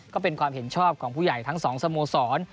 ก็เป็นความเห็นชอบของผู้ใหญ่ทั้งสองสโมสร